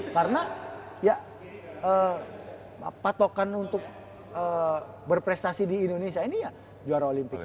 karena ya patokan untuk berprestasi di indonesia ini ya juara olimpik itu